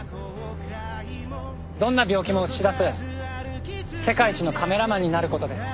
どんな病気も写し出す世界一のカメラマンになることです